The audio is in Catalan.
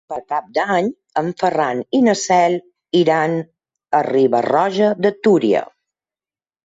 Per Cap d'Any en Ferran i na Cel iran a Riba-roja de Túria.